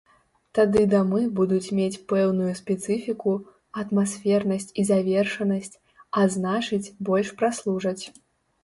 Тады дамы будуць мець пэўную спецыфіку, атмасфернасць і завершанасць, а значыць больш праслужаць.